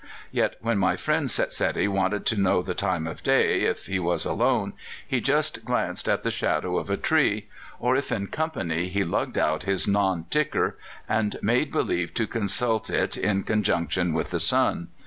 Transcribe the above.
Yet when my friend Setsedi wanted to know the time of day, if he was alone, he just glanced at the shadow of a tree; or if in company, he lugged out his non ticker, and made believe to consult it in conjunction with the sun.